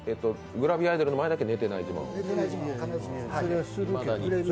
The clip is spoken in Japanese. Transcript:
グラビアアイドルの前だけ寝てない自慢、でも寝てる？